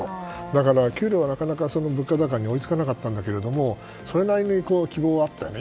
だから、給料はなかなか物価高に追いつかなかったけどそれなりに希望はあったね。